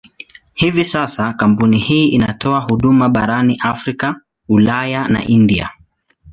Hivi sasa kampuni hii inatoa huduma barani Afrika, Ulaya na India.